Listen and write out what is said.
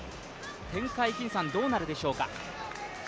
展開、どうなるでしょうか。